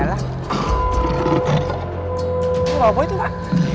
apa itu pak